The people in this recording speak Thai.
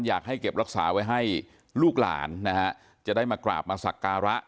อยากให้เก็บรักษาไว้ให้ลูกหลานนะฮะจะได้มากราบมาสักการะ